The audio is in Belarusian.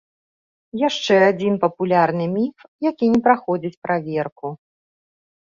Яшчэ адзін папулярны міф, які не праходзіць праверку.